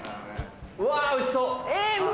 うわおいしそう！